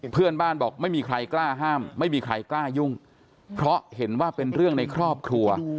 เพื่อนบ้านบอกไม่มีใครกล้าห้ามไม่มีใครกล้ายุ่งเพราะเห็นว่าเป็นเรื่องในครอบครัว